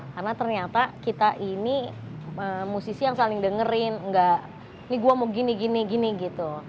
karena ternyata kita ini musisi yang saling dengerin ini gue mau gini gini gitu